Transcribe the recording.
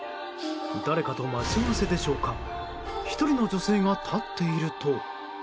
誰かと待ち合わせでしょうか１人の女性が立っていると。